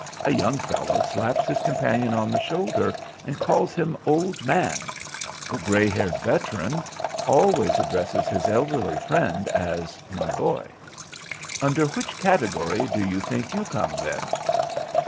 A young fellow slaps his companion on the shoulder and calls him 'old man.' The grey haired veteran always addresses his elderly friend as 'my boy.'" "Under which category do you think you come, then?"